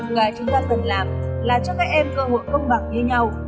mà chúng ta cần làm là cho các em cơ hội công bằng như nhau